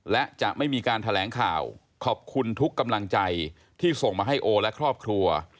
และจะไม่มีการแถลงข่าวขอบคุณทุกกำลังใจที่ส่งมาให้โอและครอบครัว